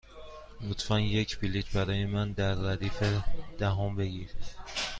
لطفا یک بلیط برای من در ردیف دهم بگیر.